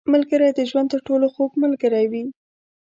• ملګری د ژوند تر ټولو خوږ ملګری وي.